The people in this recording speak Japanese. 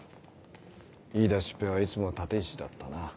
言い出しっぺはいつも立石だったな。